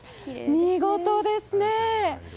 見事ですね。